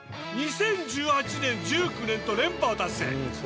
２０１８年１９年と連覇を達成。